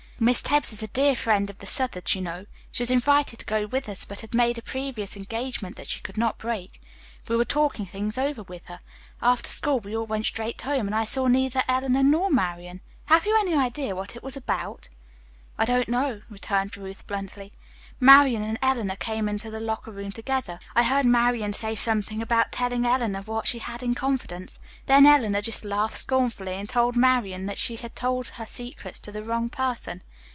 Miss Tebbs is a dear friend of the Southards, you know. She was invited to go with us, but had made a previous engagement that she could not break. We were talking things over with her. After school we all went straight home and I saw neither Eleanor nor Marian. Have you any idea what it was about?" "I don't know," returned Ruth bluntly. "Marian and Eleanor came into the locker room together. I heard Marian say something about telling Eleanor what she had in confidence. Then Eleanor just laughed scornfully and told Marian that she had told her secrets to the wrong person.